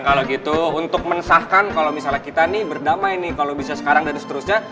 kalau gitu untuk mensahkan kalau misalnya kita nih berdamai nih kalau bisa sekarang dan seterusnya